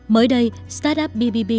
mới đây startup bbb